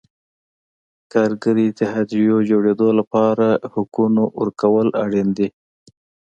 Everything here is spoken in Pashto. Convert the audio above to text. کارګري اتحادیو جوړېدو لپاره حقونو ورکول اړین دي.